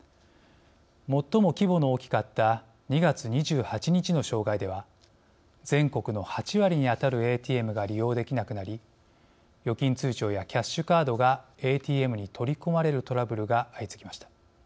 最も規模の大きかった２月２８日の障害では全国の８割に当たるＡＴＭが利用できなくなり預金通帳やキャッシュカードがＡＴＭに取り込まれるトラブルが相次ぎました。